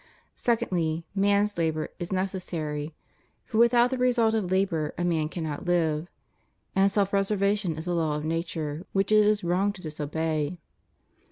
Secondly, man's labor is necessary; for without the result of labor a man cannot live; and self preservation is a law of nature, which it is wrong to disobey.